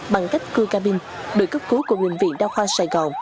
bằng cách cưa ca binh đội cấp cứu của bệnh viện đao khoa sài gòn